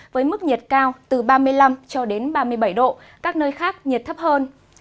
với mức nhiệt cao từ ba mươi năm cho đến ba mươi bảy độ các nơi khác nhiệt thấp hơn